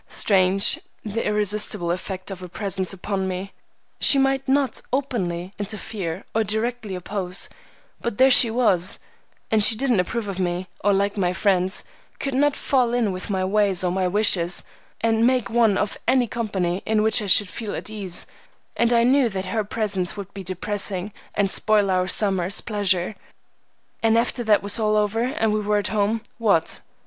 Strange, the irresistible effect of a presence upon one! She might not openly interfere or directly oppose, but there she was, and she didn't approve of me or like my friends, could not fall in with my ways or my wishes, and make one of any company in which I should feel at ease, and I knew that her presence would be depressing, and spoil our summer's pleasure; and after that was over and we were at home, what?